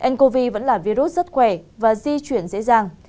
ncov vẫn là virus rất khỏe và di chuyển dễ dàng